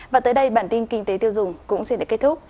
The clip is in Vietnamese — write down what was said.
và tới đây bản tin kinh tế tiêu dùng cũng xin được kết thúc